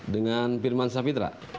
dengan firman safitra